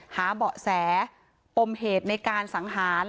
หาเบาะแสปมเหตุในการสังหาร